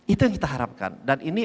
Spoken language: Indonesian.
itu yang kita harapkan dan ini